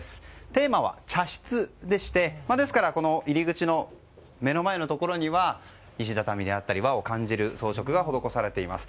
テーマは茶室でしてですから入り口の目の前には石畳だったり、和を感じる装飾が施されています。